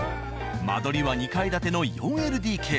間取りは２階建ての４ＬＤＫ。